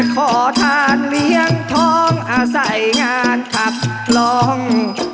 ขอทานเลี้ยงท้องอาศัยงานขับลอง